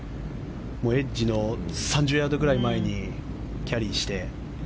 エッジの３０ヤードぐらい前にキャリーして。